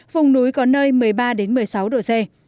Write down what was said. vùng núi có nơi một mươi ba một mươi sáu độ c